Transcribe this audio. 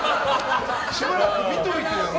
しばらく見ておいても。